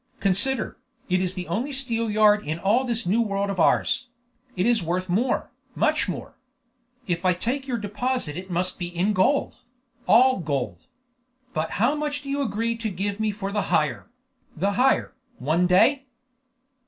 Consider, it is the only steelyard in all this new world of ours; it is worth more, much more. If I take your deposit it must be in gold all gold. But how much do you agree to give me for the hire the hire, one day?"